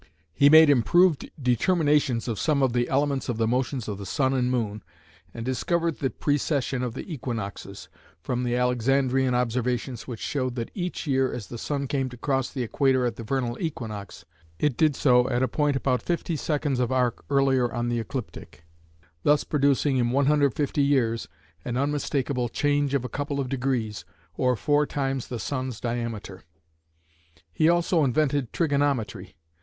He made improved determinations of some of the elements of the motions of the sun and moon, and discovered the Precession of the Equinoxes, from the Alexandrian observations which showed that each year as the sun came to cross the equator at the vernal equinox it did so at a point about fifty seconds of arc earlier on the ecliptic, thus producing in 150 years an unmistakable change of a couple of degrees, or four times the sun's diameter. He also invented trigonometry.